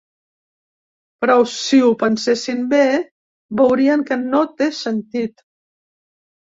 Però si ho pensessin bé, veurien que no té sentit.